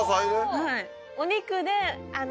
お肉で。